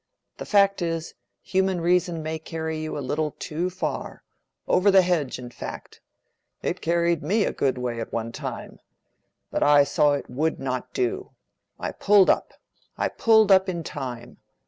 The fact is, human reason may carry you a little too far—over the hedge, in fact. It carried me a good way at one time; but I saw it would not do. I pulled up; I pulled up in time.